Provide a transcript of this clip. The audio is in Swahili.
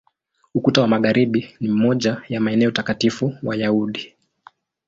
Ukuta wa Magharibi ni moja ya maeneo takatifu Wayahudi.